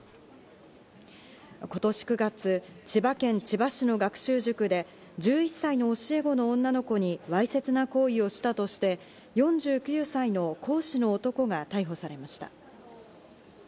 今年９月、千葉県千葉市の学習塾で１１歳の教え子の女の子にわいせつな行為をしたとして、４９歳の講師の男が逮捕されました。